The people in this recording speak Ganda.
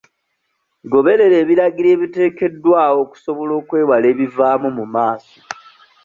Goberera ebiragiro ebiteekeddwawo okusobola okwewala ebivaamu mu maaso.